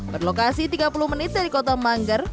berlokasi tiga puluh menit dari kota mangger